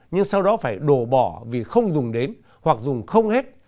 nhưng sau đó phải đổ bỏ vì không dùng đến hoặc dùng không hết